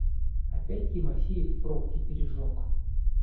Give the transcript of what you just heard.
Опять Тимофеев пробки пережег!